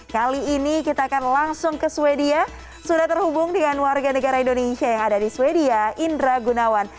kali ini kita akan langsung ke sweden sudah terhubung dengan warga negara indonesia yang ada di sweden indra gunawan